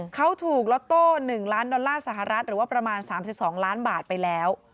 เขาถูกล็อตโต้๑ล้านดอลลาร์สหรัฐหรือว่าประมาณ๓๒ล้านบาทไปแล้ว